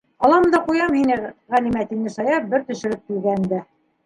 Алам да ҡуям һине, Ғәлимә, - тине Саяф бер төшөрөп килгәнендә.